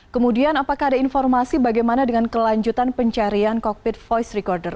kemudian apakah ada informasi bagaimana dengan kelanjutan pencarian kokpit voice recorder